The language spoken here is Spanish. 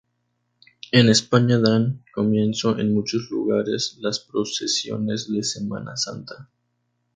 En España dan comienzo en muchos lugares las procesiones de Semana Santa.